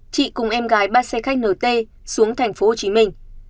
chị cùng em gái bắt xe khách nở t xuống thành phố hồ chí minh